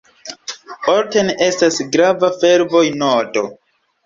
Olten estas grava fervoj-nodo.